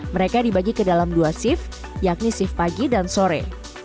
mereka dibagi ke dalam dua shift yakni shift pagi dan sore